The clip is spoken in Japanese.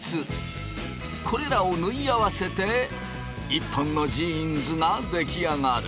これらを縫い合わせて１本のジーンズが出来上がる。